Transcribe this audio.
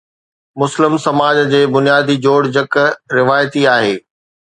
مسلم سماج جي بنيادي جوڙجڪ روايتي آهي.